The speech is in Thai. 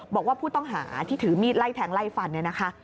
บอกว่าผู้ต้องหาที่ถือมีดไล่แทงไล่ฟันเนี่ยนะคะ